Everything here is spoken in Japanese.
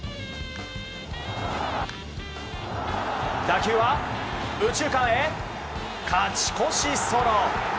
打球は右中間へ、勝ち越しソロ！